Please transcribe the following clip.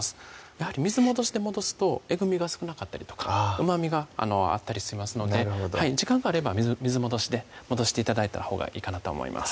やはり水戻しで戻すとえぐみが少なかったりとかうまみがあったりしますので時間があれば水戻しで戻して頂いたほうがいいかなと思います